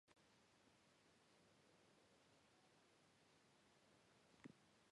მოსწავლეთათვის სავალდებულო იყო საზაფხულო პრაქტიკის გავლა.